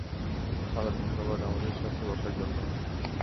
Father, ধন্যবাদ আমাদের সাথে বসার জন্য।